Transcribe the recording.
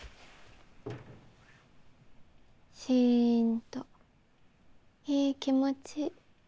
シンといい気持ち。